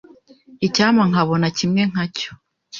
Icyampa nkabona kimwe nkacyo.